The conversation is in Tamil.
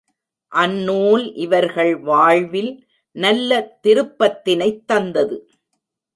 அந்நூல் இவர்கள் வாழ்வில் நல்ல திருப்பத்தினைத் தந்தது.